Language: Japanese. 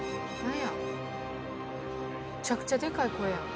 めちゃくちゃでかい声やん。